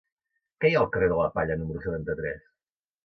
Què hi ha al carrer de la Palla número setanta-tres?